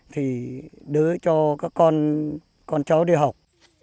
thì đưa cho các con cháu đi học